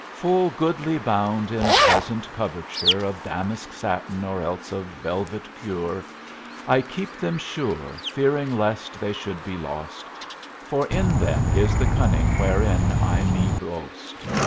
Full goodly bound in pleasant coverture Of damask, satin, or else of velvet pure, I keep them sure, fearing lest they should be lost, For in them is the cunning wherein I me boast.